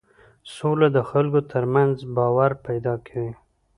سوله د خلکو ترمنځ باور پیدا کوي